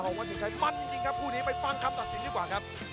วัดสินชัยมันจริงครับคู่นี้ไปฟังคำตัดสินดีกว่าครับ